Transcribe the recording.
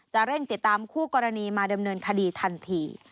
เร่งติดตามคู่กรณีมาดำเนินคดีทันที